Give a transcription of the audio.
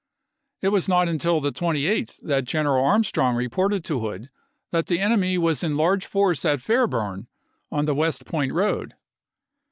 1 It was not nntil the 28th that General Armstrong reported to Hood that the enemy was in large force at Fairburn on the West Point road.